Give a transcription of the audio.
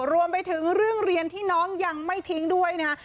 รวมไปถึงเรื่องเรียนที่น้องยังไม่ทิ้งด้วยนะฮะ